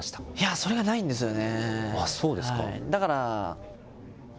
それがないんですよね。